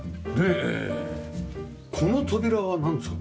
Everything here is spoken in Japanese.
この扉はなんですか？